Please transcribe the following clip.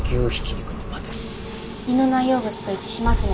胃の内容物と一致しますね。